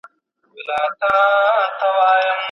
هغه د خپلو ملي دودونو په اړه ډېره غیرتي وه.